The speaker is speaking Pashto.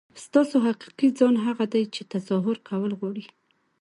ستاسو حقیقي ځان هغه دی چې تظاهر کول غواړي.